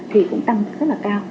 thì cũng tăng rất là cao